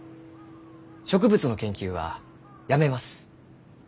植物の研究はやめます。